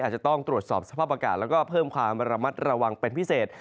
อาจจะต้องตรวจสอบสภาพอากาศแล้วก็เพิ่มความระมัดระวังเป็นพิเศษ